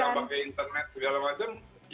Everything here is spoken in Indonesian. yang mana bilang ada pilihan pakai internet segala macam